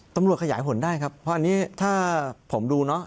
ตำรวจขยายผลได้ครับเพราะอันนี้ถ้าผมดูเนาะ